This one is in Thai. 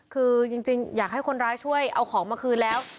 คือจริงอยากให้คนร้ายช่วยเอาของมาคืนแล้ว